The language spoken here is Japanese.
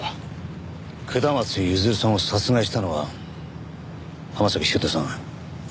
下松譲さんを殺害したのは浜崎修斗さん